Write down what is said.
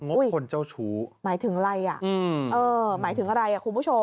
งบคนเจ้าชู้หมายถึงอะไรอ่ะอืมเออหมายถึงอะไรอ่ะ